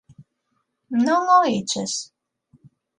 Non o oíches?